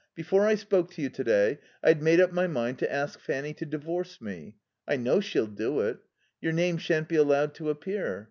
Before I spoke to you to day I'd made up my mind to ask Fanny to divorce me. I know she'll do it. Your name shan't be allowed to appear.